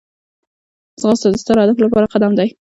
ځغاسته د ستر هدف لپاره قدم دی